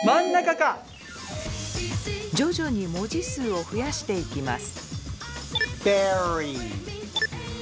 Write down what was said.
徐々に文字数を増やしていきます。